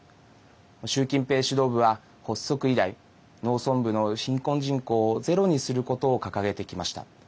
習近平指導部は発足以来農村部の貧困人口をゼロにすることを掲げてきました。